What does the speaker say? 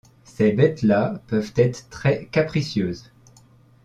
Ces bêtes-là peuvent être très-capricieuses !